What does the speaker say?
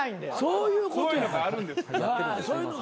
そういうのがあんねん。